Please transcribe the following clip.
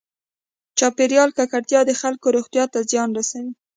چاپېریال ککړتیا د خلکو روغتیا ته زیان رسوي.